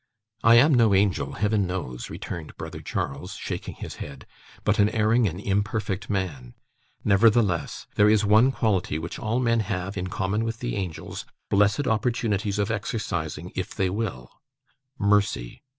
'I am no angel, Heaven knows,' returned brother Charles, shaking his head, 'but an erring and imperfect man; nevertheless, there is one quality which all men have, in common with the angels, blessed opportunities of exercising, if they will; mercy.